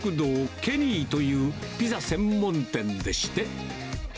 ケニーというピザ専門店でして。